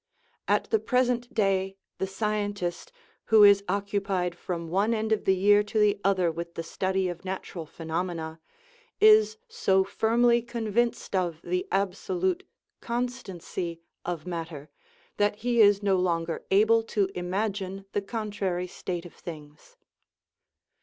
At the present day the scientist, who is oc cupied from one end of the year to the other with the study of natural phenomena, is so firmly convinced of the absolute " constancy " of matter that he is no longer able to imagine the contrary state of things.